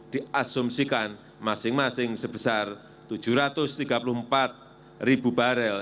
diasumsikan masing masing sebesar tujuh ratus tiga puluh empat ribu barel